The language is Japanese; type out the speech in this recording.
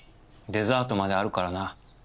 デザートまであるからな。